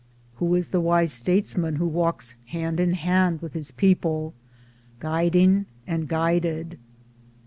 Who is the wise statesman who walks hand in hand with his people, guiding and guided?